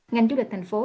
ngành du lịch thành phố